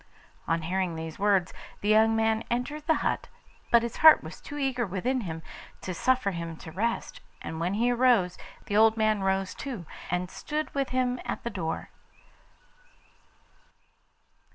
On hearing these words, the young man entered the hut, but his heart was too eager within him to suffer him to rest, and when he arose, the old man rose too, and stood with him at the door.